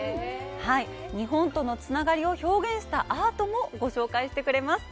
日本とのつながりを表現したアートもご紹介してくれます。